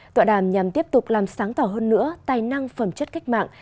tọa đàm nhằm tiếp tục làm sáng tỏa hơn nữa tài năng phẩm chất cách mạng